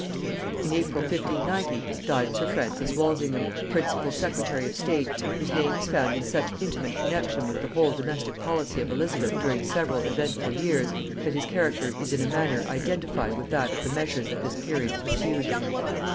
In April 1590 died sir Francis Walsingham, principal secretary of state, whose name is found in such intimate connexion with the whole domestic policy of Elizabeth during several eventful years, that his character is in a manner identified with that of the measures at this period pursued.